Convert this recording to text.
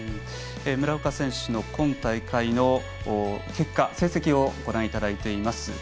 村岡選手の今大会の結果成績をご覧いただいています。